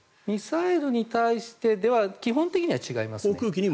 ミサイルに対してでは基本的には違いますね。